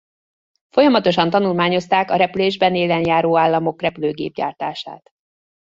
Folyamatosan tanulmányozták a repülésben élenjáró államok repülőgép gyártását.